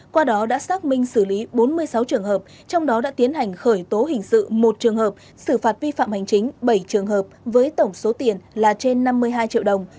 qua đó đã xác minh xử lý bốn mươi sáu trường hợp trong đó đã tiến hành khởi tố hình sự một trường hợp xử phạt vi phạm hành chính bảy trường hợp với tổng số tiền là trên năm mươi hai triệu đồng